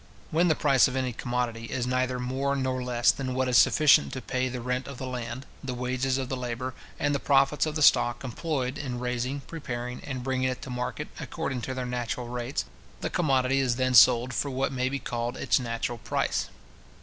When the price of any commodity is neither more nor less than what is sufficient to pay the rent of the land, the wages of the labour, and the profits of the stock employed in raising, preparing, and bringing it to market, according to their natural rates, the commodity is then sold for what may be called its natural price.